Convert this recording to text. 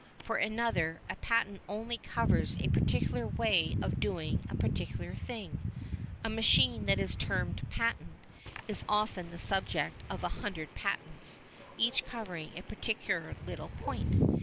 For another, a patent only covers a particular way of doing a particular thing. A machine that is termed "patent" is often the subject of a hundred patents, each covering a particular little point.